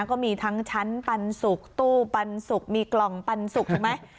ก็มีทั้งชั้นปันสุกตู้ปันสุกมีกล่องปันสุกถูกไหม